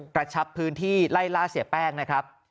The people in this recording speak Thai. กระชับพื้นที่ไล่ล่าเสียแป้งนะครับ